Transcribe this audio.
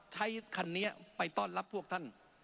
ใช้คันนี้ไปต้อนรับพวกท่าน